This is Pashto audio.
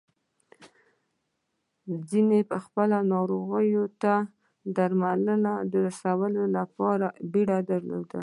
ځينو خپلو ناروغانو ته د درملو د رسولو بيړه درلوده.